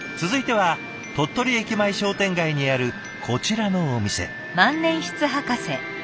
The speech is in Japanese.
続いては鳥取駅前商店街にあるこちらのお店。